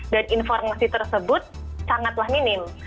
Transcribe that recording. dan informasi tersebut sangatlah minim